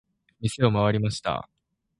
店を回りました。